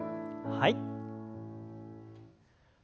はい。